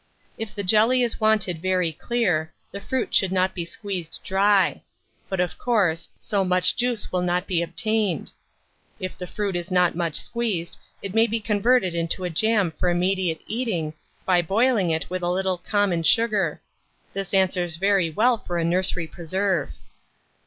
If the jelly is wanted very clear, the fruit should not be squeezed dry; but, of course, so much juice will not be obtained. If the fruit is not much squeezed, it may be converted into a jam for immediate eating, by boiling it with a little common sugar: this answers very well for a nursery preserve.